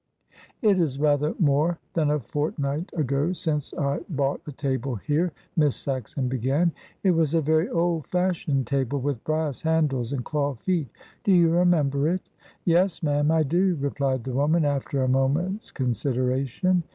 "It is rather more than a fortnight ago since I bought a table here," Miss Saxon began. "It was a very old fashioned table with brass handles and claw feet. Do you remember it?" "Yes, ma'am, I do," replied the woman, after a moment's consideration.